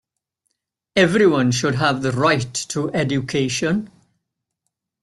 Everyone should have the right to education.